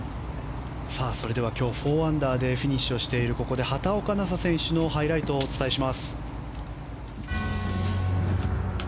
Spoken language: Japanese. それでは今日４アンダーでフィニッシュをしているここで畑岡奈紗選手のハイライトをお伝えします。